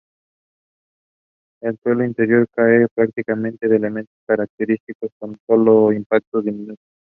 El suelo interior es carece prácticamente de elementos característicos, con solo unos impactos diminutos.